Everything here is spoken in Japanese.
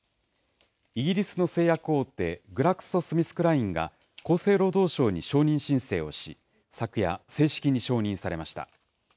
イギリスの製薬大手、グラクソ・スミスクラインが厚生労働省に承認申請をし、昨夜、正式に承認されました。